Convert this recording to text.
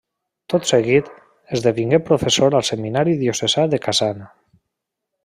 Tot seguit, esdevingué professor al seminari diocesà de Kazan.